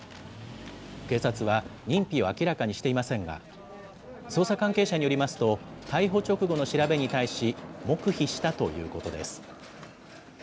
警察は、認否を明らかにしていませんが、捜査関係者によりますと、逮捕直後の調べに対し、黙秘したということです。